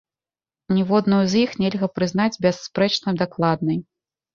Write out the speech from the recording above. Ніводную з іх нельга прызнаць бясспрэчна дакладнай.